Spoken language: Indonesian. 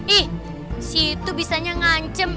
ih si itu bisanya ngancem